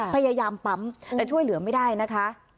พยายามปั๊มแต่ช่วยเหลือไม่ได้นะคะ